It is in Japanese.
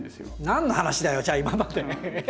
何の話だよじゃあ今まで。え？